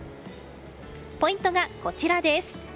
ポイントがこちらです。